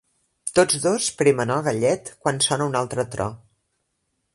Tots dos premen el gallet quan sona un altre tro.